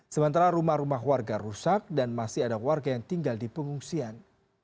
sementara rumah rumah warga rusak dan masih ada warga yang tinggal di pengungsian